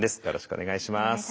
よろしくお願いします。